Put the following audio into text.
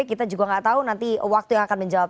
kita juga nggak tahu nanti waktu yang akan menjawab